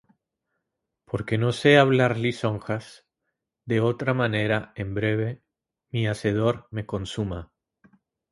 Porque no sé hablar lisonjas: De otra manera en breve mi Hacedor me consuma.